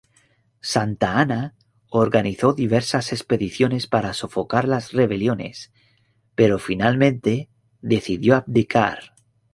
Santa Anna organizó diversas expediciones para sofocar las rebeliones, pero finalmente decidió abdicar.